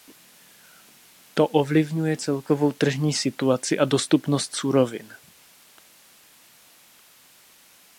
To ovlivňuje celkovou tržní situaci a dostupnost surovin.